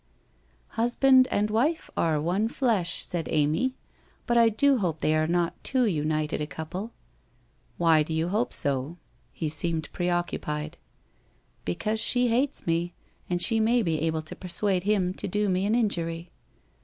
' Husband and wife are one flesh,' said Amy. ' But I do hope they are not too united a couple.' ' Why do you hope so ?' He seemed preoccupied. ' Because she hates me, and she may be able to persuade him to do me an injury.'